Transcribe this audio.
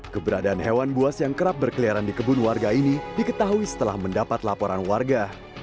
keberadaan hewan buas yang kerap berkeliaran di kebun warga ini diketahui setelah mendapat laporan warga